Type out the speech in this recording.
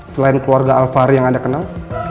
selain keluarga alfari yang anda kenal